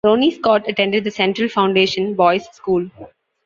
Ronnie Scott attended the Central Foundation Boys' School.